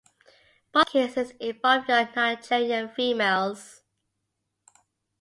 Both cases involved young Nigerian females.